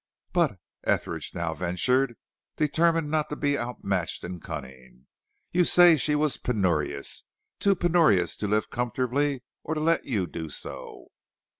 "But," Etheridge now ventured, determined not to be outmatched in cunning, "you say she was penurious, too penurious to live comfortably or to let you do so."